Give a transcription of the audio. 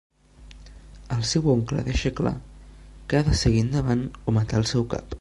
El seu oncle deixa clar que ha de seguir endavant o matar al seu cap.